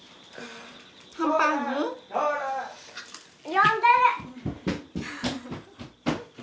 呼んでる。